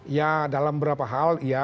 ya dalam beberapa hal ya